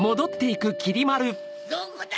どこだ？